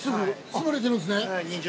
住まれてるんですね。